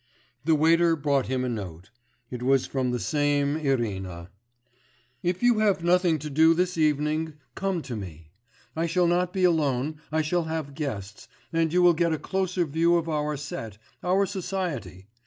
The waiter brought him a note: it was from the same Irina: 'If you have nothing to do this evening, come to me; I shall not be alone; I shall have guests, and you will get a closer view of our set, our society.